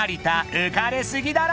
浮かれ過ぎだろ］